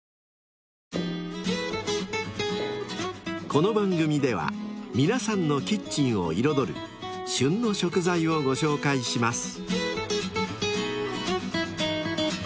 ［この番組では皆さんのキッチンを彩る「旬の食材」をご紹介します］